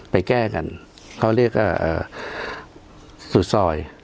ไปแก้กันเขาเรียกว่าสุดซอย